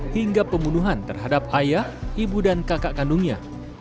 hingga pembunuhan terhadap ayah ibu dan kakak kandungnya